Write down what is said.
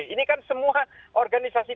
ini kan semua organisasi